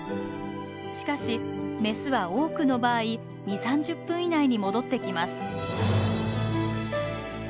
しかしメスは多くの場合２０３０分以内に戻ってきます。